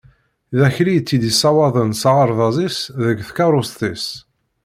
D Akli i tt-yessawaḍen s aɣerbaz-is deg tkarust-is.